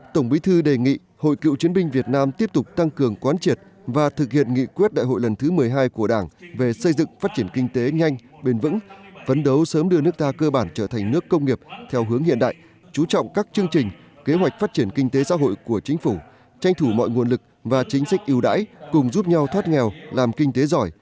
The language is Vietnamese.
tổng bí thư đề nghị hội cựu chiến binh việt nam tiếp tục tăng cường quán triệt và thực hiện nghị quyết đại hội lần thứ một mươi hai của đảng về xây dựng phát triển kinh tế nhanh bền vững phấn đấu sớm đưa nước ta cơ bản trở thành nước công nghiệp theo hướng hiện đại chú trọng các chương trình kế hoạch phát triển kinh tế xã hội của chính phủ tranh thủ mọi nguồn lực và chính sách ưu đãi cùng giúp nhau thoát nghèo làm kinh tế giỏi